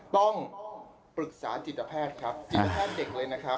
ต้องปรึกษาจิตแพทย์เจ็บเลยนะครับ